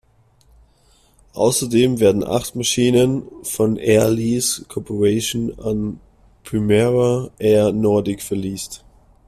Außerdem werden acht Maschinen von Air Lease Corporation an Primera Air Nordic verleast.